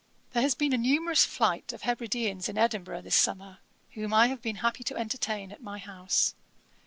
'There has been a numerous flight of Hebrideans in Edinburgh this summer, whom I have been happy to entertain at my house.